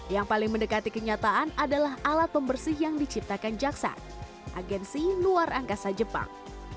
yang paling mendekati kenyataan adalah alat pembersih yang diciptakan jaksa agensi luar angkasa jepang